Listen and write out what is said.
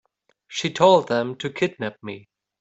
She told them to kidnap me.